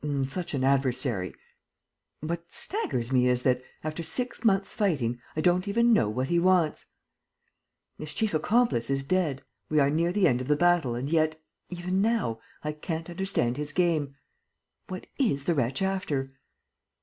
... Such an adversary! ... What staggers me is that, after six months' fighting, I don't even know what he wants! ... His chief accomplice is dead, we are near the end of the battle and yet, even now, I can't understand his game. ... What is the wretch after?